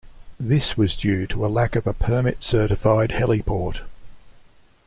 This was due to a lack of a permit-certified heliport.